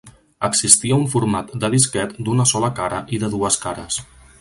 Existia un format de disquet d'una sola cara i de dues cares.